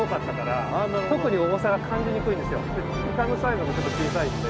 イカのサイズもちょっと小さいんで。